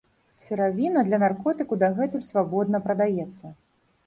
Сыравіна для наркотыку дагэтуль свабодна прадаецца.